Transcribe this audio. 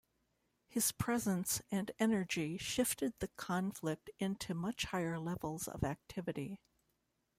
His presence and energy shifted the conflict into much higher levels of activity.